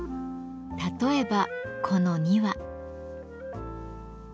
例えばこの２羽。